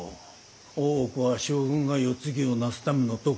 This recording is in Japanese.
大奥は将軍が世継ぎをなすためのとこ。